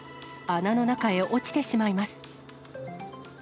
穴の中へ落ちてしまいます。